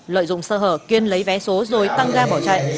lợi dụng sơ hở kiên lấy vé số rồi tăng ga bỏ chạy